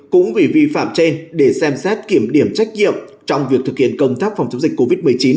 cũng vì vi phạm trên để xem xét kiểm điểm trách nhiệm trong việc thực hiện công tác phòng chống dịch covid một mươi chín